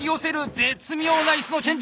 絶妙ないすのチェンジ！